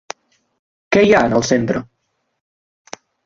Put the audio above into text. Què hi ha en el centre?